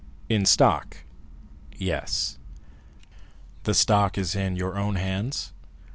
"In stock?" "Yes." "The stock is in your own hands?"